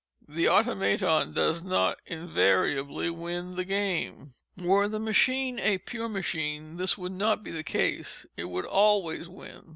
The Automaton does not invariably win the game. Were the machine a pure machine this would not be the case—it would always win.